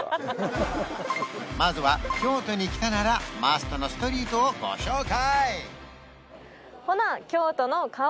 まずは京都に来たならマストのストリートをご紹介！